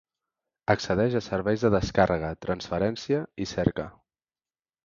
Accedeix a serveis de descàrrega, transferència i cerca.